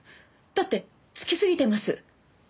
だってツキすぎてます。